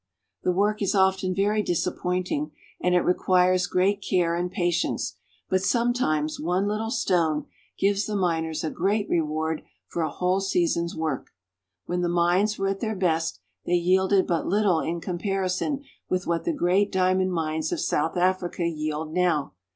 The work is often very disappointing, and it requires great care and patience, but sometimes one little stone gives the miners a great reward for a whole season's work. When the mines were at their best, they yielded but little in comparison with what the great diamond mines of South Africa yield now.